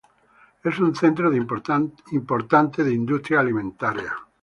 Es un centro importante de industrias alimentarias.